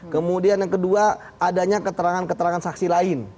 kemudian yang kedua adanya keterangan keterangan saksi lain